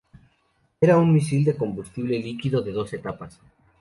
Era un misil de combustible líquido de dos etapas.